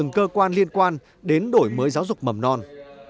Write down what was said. giáo dục mầm non